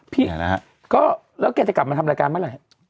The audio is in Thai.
นะฮะก็แล้วแกจะกลับมาทำรายการเมื่อไหร่